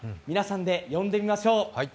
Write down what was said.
皆さんで呼んでみましょう。